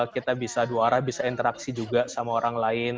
kita bisa dua arah bisa interaksi juga sama orang lain